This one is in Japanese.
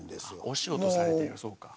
お仕事されてるそっか。